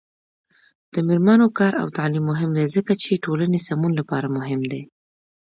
د میرمنو کار او تعلیم مهم دی ځکه چې ټولنې سمون لپاره مهم دی.